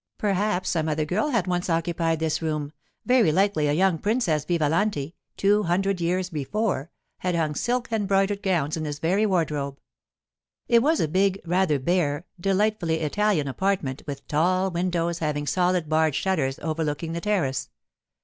Perhaps some other girl had once occupied this room; very likely a young Princess Vivalanti, two hundred years before, had hung silk embroidered gowns in this very wardrobe. It was a big, rather bare, delightfully Italian apartment with tall windows having solid barred shutters overlooking the terrace.